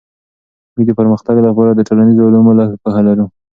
موږ د پرمختګ لپاره د ټولنيزو علومو لږه پوهه لرو.